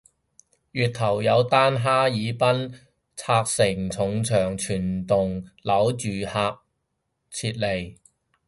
月頭有單哈爾濱拆承重牆全棟樓住客撤離